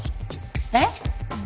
えっ？